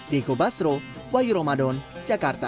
dekobasro wahyu ramadan jakarta